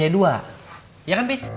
iya kan fi